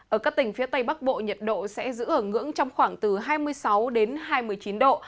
ở các tỉnh phía tây bắc bộ nhiệt độ sẽ giữ ở ngưỡng trong khoảng từ hai mươi sáu đến hai mươi chín độ